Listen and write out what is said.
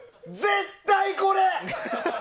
絶対、これ！